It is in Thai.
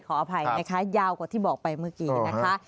ขออภัยนะคะยาวกว่าที่บอกไปเมื่อกี้นะคะ